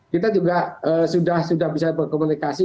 kita juga sudah bisa berkomunikasi